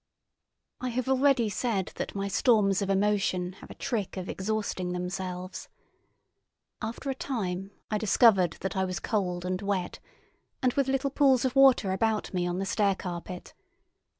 I have already said that my storms of emotion have a trick of exhausting themselves. After a time I discovered that I was cold and wet, and with little pools of water about me on the stair carpet.